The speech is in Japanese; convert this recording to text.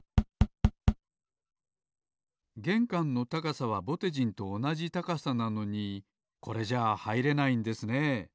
げんかんの高さはぼてじんとおなじ高さなのにこれじゃあはいれないんですね。